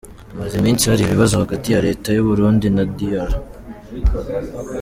Hamaze iminsi hari ibibazo hagati ya Leta y’Uburundi na Dr.